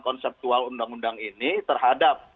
konseptual undang undang ini terhadap